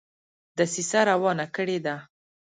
دسیسه روانه کړي ده.